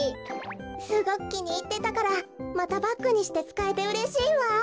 すごくきにいってたからまたバッグにしてつかえてうれしいわ！